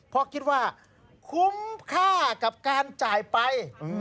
เพราะคิดว่าคุ้มค่ากับการจ่ายไป